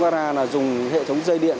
ra ra là dùng hệ thống dây điện